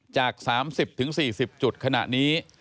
จาก๓๐๔๐จุดขณะนี้